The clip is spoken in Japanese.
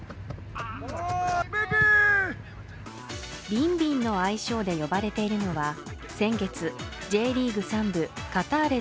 ビンビンの愛称で呼ばれているのは先月Ｊリーグ３部カターレ